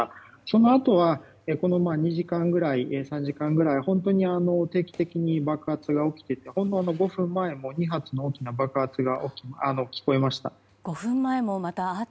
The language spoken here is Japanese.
そのあとは、この２時間ぐらい３時間ぐらい本当に定期的に爆発が起きてほんの５分前も２発の大きな爆発が聞こえました。